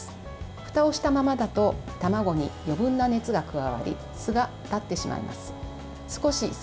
ふたをしたままだと卵に余分な熱が加わりすが立ってしまいます。